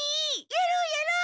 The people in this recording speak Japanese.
やろうやろう！